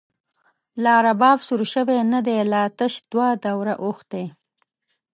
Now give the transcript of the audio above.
لا رباب سور شوی نه دی، لا تش دوه دوره او ښتی